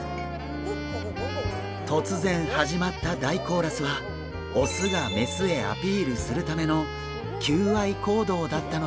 突然始まった大コーラスはオスがメスへアピールするための求愛行動だったのです！